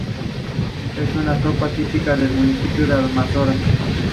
Es una sopa típica del municipio de Almanzora.